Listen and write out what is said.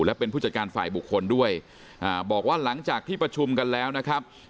และเป็นผู้จัดการฝ่ายบุคคลด้วยอ่าบอกว่าหลังจากที่ประชุมกันแล้วนะครับ